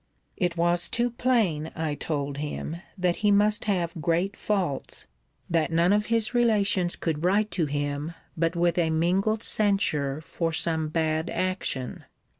It was too plain, I told him, that he must have great faults, that none of his relations could write to him, but with a mingled censure for some bad action.